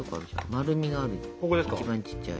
丸味がある一番ちっちゃい。。